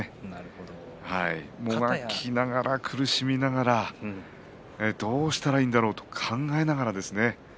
もがきながら、苦しみながらどうしたらいいんだろうと考えながらですね